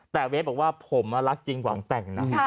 แต่เวฟบอกว่าผมรักจริงหวังแต่งนะ